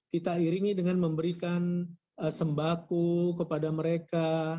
kita iringi dengan memberikan sembako kepada mereka